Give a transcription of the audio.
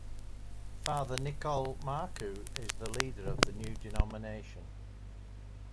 Father Nikolle Marku is the leader of the new denomination.